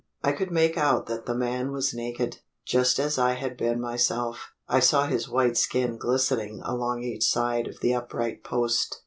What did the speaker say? I could make out that the man was naked just as I had been myself: I saw his white skin glistening along each side of the upright post.